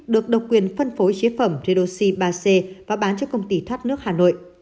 được độc quyền phân phối chế phẩm redoxi ba c và bán cho công ty thoát nước hà nội